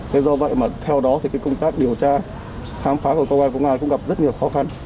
thế do vậy mà theo đó thì cái công tác điều tra khám phá của công an công an cũng gặp rất nhiều khó khăn